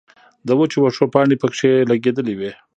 د وچو وښو پانې پکښې لګېدلې وې